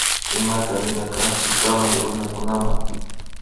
Imata nina kanchi kamak runakunama